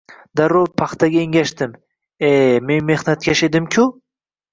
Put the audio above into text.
Darrov paxtaga engashdim: e, men mehnatkash edim-ku!